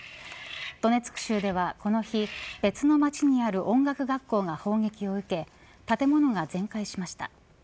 ドネツク州ではこの日別の町にある音楽学校が砲撃を受け建物が全壊しました。